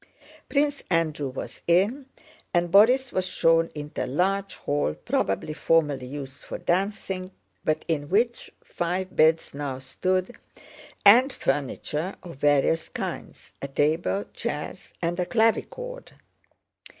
Prince Andrew was in and Borís was shown into a large hall probably formerly used for dancing, but in which five beds now stood, and furniture of various kinds: a table, chairs, and a clavichord.